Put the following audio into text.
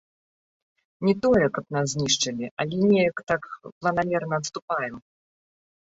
Не тое, каб нас знішчылі, але неяк так планамерна адступаем.